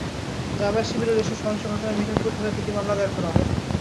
জামায়াত-শিবিরের এসব সহিংস ঘটনায় মিঠাপুকুর থানায় তিনটি মামলা দায়ের করা হয়।